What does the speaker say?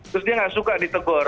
terus dia gak suka ditegor